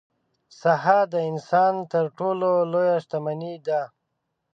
صحه د انسان تر ټولو لویه شتمني ده.